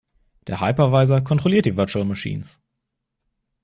Der Hypervisor kontrolliert die Virtual Machines.